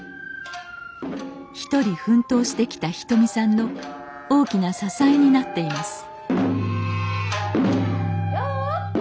一人奮闘してきたひとみさんの大きな支えになっています